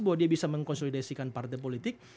bahwa dia bisa mengkonsolidasikan partai politik